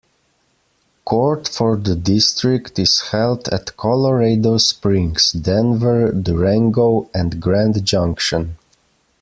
Court for the District is held at Colorado Springs, Denver, Durango, and Grand Junction.